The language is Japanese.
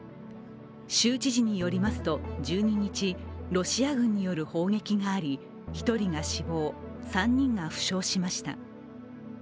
州知事によりますと１２日、ロシア軍による砲撃があり、１人が死亡、３人が負傷しました。